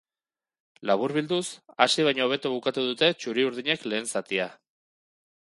Laburbilduz, hasi baino hobeto bukatu dute txuri-urdinek lehen zatia.